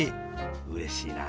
うれしいなあ。